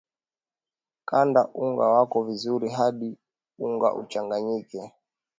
kanda unga wako vizuri hadi unga uchanganyike